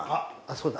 そうだ。